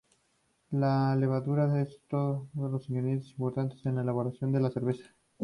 La levadura es otro de los ingredientes importantes en la elaboración de la cerveza.